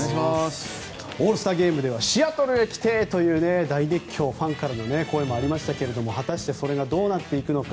オールスターゲームではシアトルへ来てという大熱狂ファンからの声もありましたけど果たしてそれがどうなっていくのか。